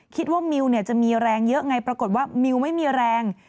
มิวจะมีแรงเยอะไงปรากฏว่ามิวไม่มีแรง